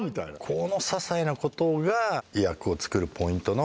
このささいなことが役を作るポイントの。